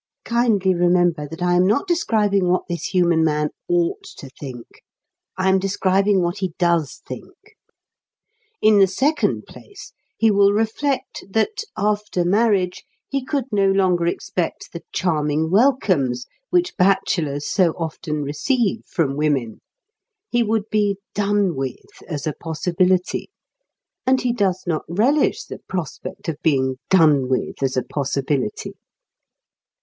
(Kindly remember that I am not describing what this human man ought to think. I am describing what he does think.) In the second place, he will reflect that, after marriage, he could no longer expect the charming welcomes which bachelors so often receive from women; he would be "done with" as a possibility, and he does not relish the prospect of being done with as a possibility.